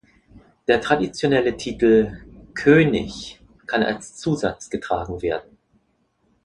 Der traditionelle Titel "König" kann als Zusatz getragen werden.